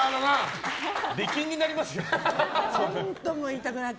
出禁になりますよ。